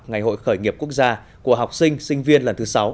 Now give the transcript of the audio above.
ngày hội khởi nghiệp quốc gia của học sinh sinh viên lần thứ sáu